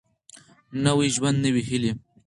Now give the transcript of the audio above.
نوی ژوند نوي هېلې